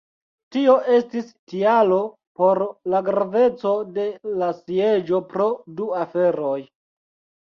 Tio estis tialo por la graveco de la sieĝo pro du aferoj.